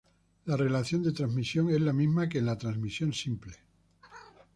La relación de transmisión es la misma que en la transmisión simple.